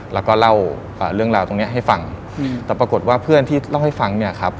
แล้วก็เล่าเรื่องราวตรงนี้ให้ฟังแต่ปรากฏว่าเพื่อนที่เล่าให้ฟังเนี่ยครับ